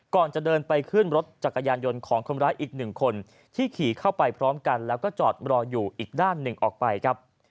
ก่อนจะเดินไปขึ้นรถจักรยานยนต์ของคนร้ายอีกหนึ่งคนที่ขี่เข้าไปพร้อมกันแล้วก็จอดรออยู่อีกด้านหนึ่งออกไปครับ